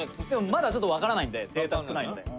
でもまだちょっとわからないんでデータ少ないので」